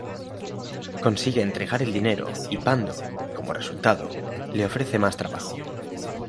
Consigue entregar el dinero y Pando, como resultado, le ofrece más trabajo.